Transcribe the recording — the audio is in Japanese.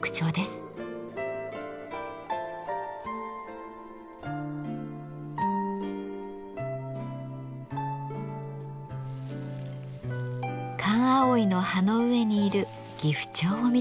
カンアオイの葉の上にいるギフチョウを見つけました。